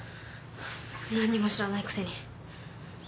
何にも知らないくせに。